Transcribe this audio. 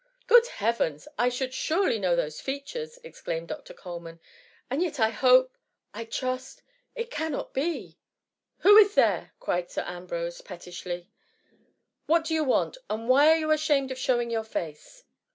" Good Heavens ! I should surely know those features," exclaimed Dr. Coleman, " and yet I hope — I trust — it cannot be." *^Who is there?" cried Sir Ambrose, pet tishly, " what do you want ? and why are you ashamed of showing your face